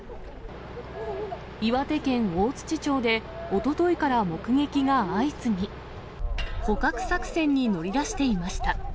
岩手県大槌町でおとといから目撃が相次ぎ、捕獲作戦に乗り出していました。